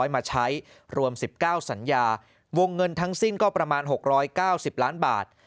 มาใช้รวม๑๙สัญญาวงเงินทั้งสิ้นก็ประมาณ๖๙๐ล้านบาท